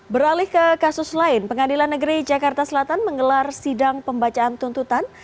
beralih ke kasus lain pengadilan negeri jakarta selatan menggelar sidang pembacaan tuntutan